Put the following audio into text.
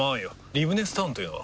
リブネスタウンというのは？